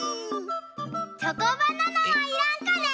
チョコバナナはいらんかね？